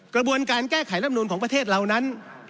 กระบวนการแก้ไขรำนูนของประเทศเรานั้น